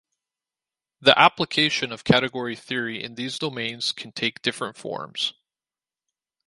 The application of category theory in these domains can take different forms.